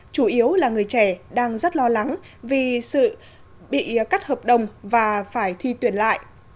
chủ yếu là người trẻ đang rất lo lắng vì sự bị cắt hợp đồng và phải thi tuyển lại